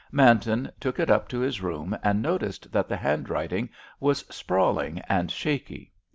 Manton took it up to his room, and noticed that the handwriting was sprawling and shaky.